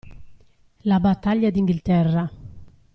La battaglia d'Inghilterra.